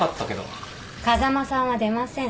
風間さんは出ません。